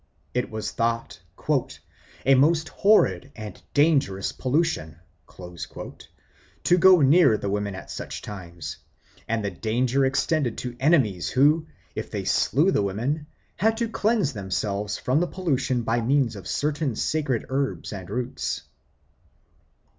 It was thought "a most horrid and dangerous pollution" to go near the women at such times; and the danger extended to enemies who, if they slew the women, had to cleanse themselves from the pollution by means of certain sacred herbs and roots.